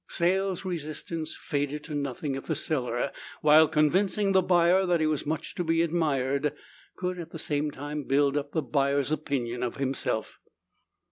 Sales resistance faded to nothing if the seller, while convincing the buyer that he was much to be admired, could at the same time build up the buyer's opinion of himself.